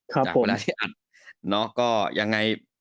ครับผม